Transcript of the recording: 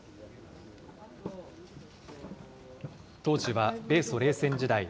当時は米ソ冷戦時代。